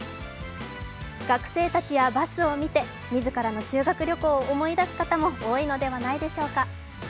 学生たちやバスを見て、自らの修学旅行を思い出す方も多いのではないでしょうか。